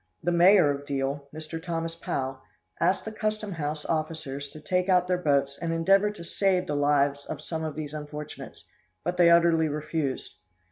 The mayor of Deal, Mr. Thomas Powell, asked the Custom House officers to take out their boats and endeavor to save the lives of some of these unfortunates, but they utterly refused.